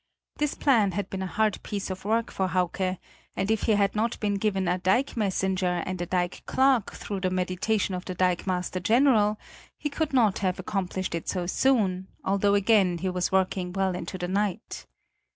This plan had been a hard piece of work for Hauke and if he had not been given a dike messenger and a dike clerk through the mediation of the dikemaster general, he could not have accomplished it so soon, although again he was working well into the night.